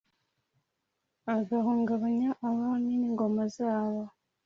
agahungabanya abami n’ingoma zabo,